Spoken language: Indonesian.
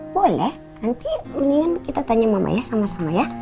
boleh nanti mendingan kita tanya mama ya sama sama ya